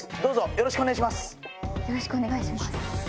よろしくお願いします。